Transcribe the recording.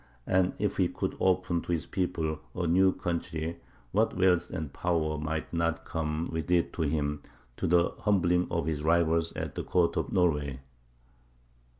and if he could open to his people a new country, what wealth and power might not come with it to him, for the humbling of his rivals at the court of Norway.